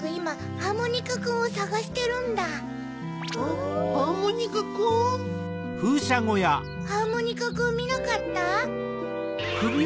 ハーモニカくんみなかった？